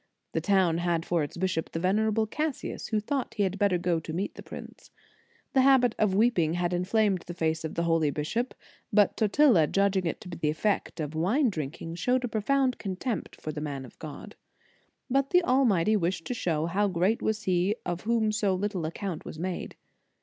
f The town had for its bishop the venerable Cassius, who thought he had better go to meet the prince. The * Sur. 8. Jul. f A small town not far from Rome. , In the Nineteenth Century. 213 habit of weeping had inflamed the face of the holy bishop, but Totila, judging it to be the effect of wine drinking, showed a profound contempt for the man of God. But the Almighty wished to show how great was he of whom so little account was made.